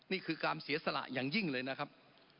นี่คือการเสียสละอย่างยิ่งเลยนะครับ